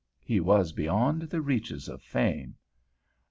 He was beyond the reaches of fame.